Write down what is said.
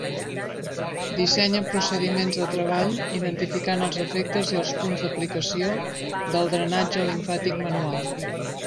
Dissenya procediments de treball identificant els efectes i els punts d'aplicació del drenatge limfàtic manual.